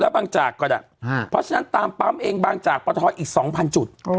แล้วบางจากก็ได้ฮะเพราะฉะนั้นตามปั๊มเองบางจากอีกสองพันจุดโอ้